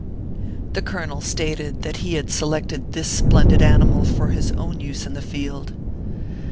The colonel stated that he had selected this splendid animal for his own use in the field.